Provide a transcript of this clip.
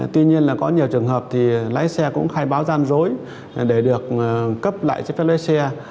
tuy nhiên là có nhiều trường hợp thì lái xe cũng khai báo gian dối để được cấp lại giấy phép lái xe